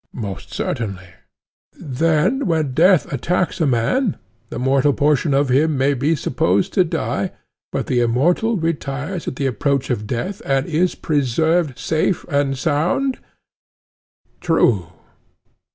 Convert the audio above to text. Most certainly. Then when death attacks a man, the mortal portion of him may be supposed to die, but the immortal retires at the approach of death and is preserved safe and sound? True.